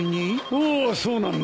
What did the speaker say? ああそうなんだ。